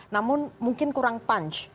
namun mungkin kurang punch